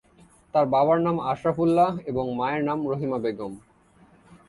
তার বাবার নাম আশরাফ উল্লাহ এবং মায়ের নাম রহিমা বেগম।